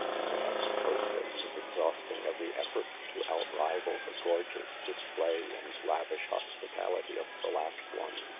The next hostess is exhausting every effort to outrival the gorgeous display and lavish hospitality of the last one.